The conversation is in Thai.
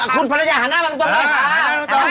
คุณพรรจาหันหน้าบางตัวให้ค่ะ